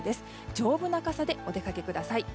丈夫な傘でお出かけください。